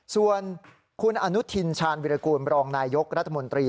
ส่วนคุณอนุทินชาญวิรากูลบรองนายยกรัฐมนตรี